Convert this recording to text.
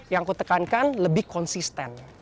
yang kutekankan lebih konsisten